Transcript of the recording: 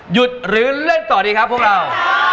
หยุดหรือเล่นต่อดีครับพวกเรา